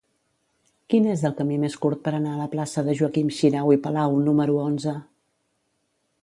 Quin és el camí més curt per anar a la plaça de Joaquim Xirau i Palau número onze?